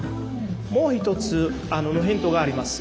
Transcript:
もう一つヒントがあります。